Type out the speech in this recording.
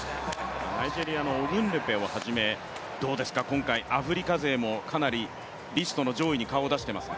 ナイジェリアのオグンレベをはじめアフリカ勢もかなりリストの上位に顔を出しています。